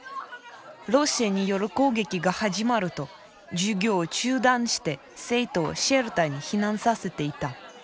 ロシアによる攻撃が始まると授業を中断して生徒をシェルターに避難させていた。